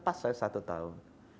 pas saya satu tahun